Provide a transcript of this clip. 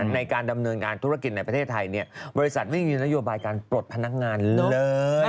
ในการดำเนินงานธุรกิจในประเทศไทยบริษัทไม่มีนโยบายการปลดพนักงานเลย